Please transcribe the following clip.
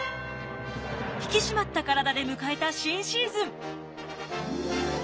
引き締まった体で迎えた新シーズン。